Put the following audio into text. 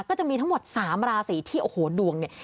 ก็จะมีทั้งหมด๓ราศีที่โอ้โหดวงเนี่ย